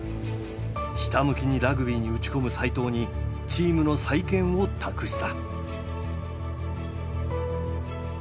ひたむきにラグビーに打ち込む齋藤にチームの再建を託した。